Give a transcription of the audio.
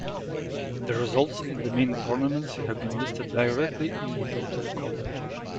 The results in the main tournaments have been listed directly in the total column.